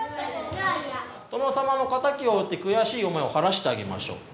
殿様の仇を討って悔しい思いを晴らしてあげましょう。